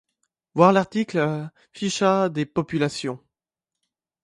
Voir l'article fichage des populations.